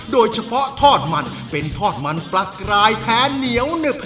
โดยเฉพาะทอดมันเป็นทอดมันปลากรายแท้เหนียวหนึบ